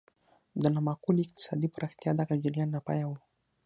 د نامعقولې اقتصادي پراختیا دغه جریان ناپایه و.